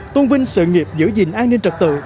tôn vinh sự nghiệp giữ gìn an ninh trật tự